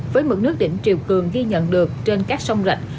với mực nước đỉnh triều cường ghi nhận được trên các sông rạch